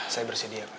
saya bersedia pak